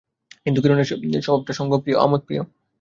কিন্তু কিরণের স্বভাবটা সঙ্গপ্রিয়, আমোদপ্রিয়।